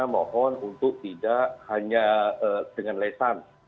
mohon untuk tidak hanya dengan lesan